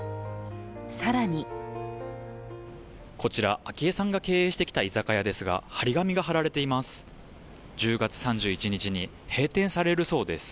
更にこちら、昭恵さんが経営してきた居酒屋ですが、貼り紙が貼られています。